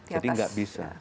jadi enggak bisa